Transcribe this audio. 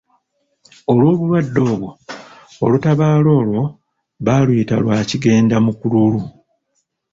Olw'obulwadde obwo olutabaalo olwo baaluyita lwa Kigendamukululu.